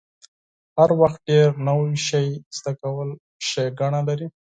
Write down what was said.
هر وخت ډیر نوی شی زده کول ښېګڼه لري.